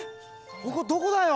ここどこだよ！